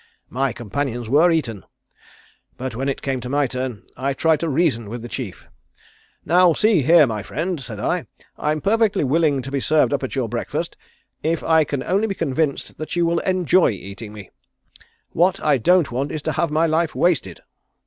My companions were eaten, but when it came to my turn I tried to reason with the chief. 'Now see here, my friend,' said I, 'I'm perfectly willing to be served up at your breakfast, if I can only be convinced that you will enjoy eating me. What I don't want is to have my life wasted!'